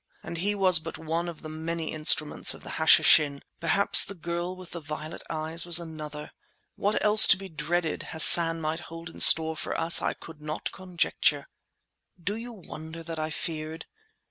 And he was but one of the many instruments of the Hashishin. Perhaps the girl with the violet eyes was another. What else to be dreaded Hassan might hold in store for us I could not conjecture. Do you wonder that I feared?